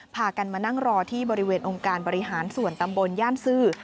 พากันมานั่งรอที่บริเวณองค์การบริหารส่วนตำบลย่านซื่อ